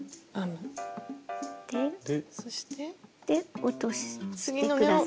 そして。で落として下さい。